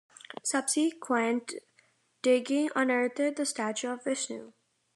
Subsequent digging unearthed the statue of Vishnu.